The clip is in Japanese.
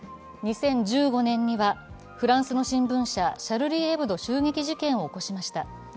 ２０１５年にはフランスの新聞社シャルリー・エブド襲撃事件を起こしました。